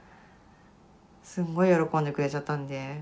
すんごい喜んでくれちゃったんで。